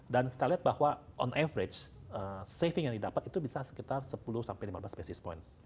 kita lihat bahwa on average saving yang didapat itu bisa sekitar sepuluh lima belas basis point